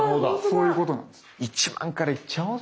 そういうことなんです。